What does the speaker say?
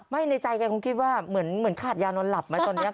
ในใจแกคงคิดว่าเหมือนขาดยานอนหลับไหมตอนนี้